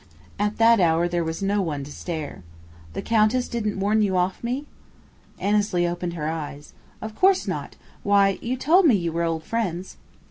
At that hour there was no one to stare. "The Countess didn't warn you off me?" Annesley opened her eyes. "Of course not! Why, you told me you were old friends!"